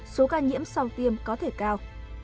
số ca nhiễm sau tiêm có thể cao